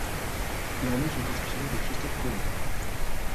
Leurs noms sont inspirés de Christophe Colomb.